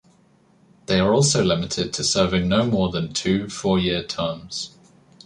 They are also limited to serving no more than two four-year terms.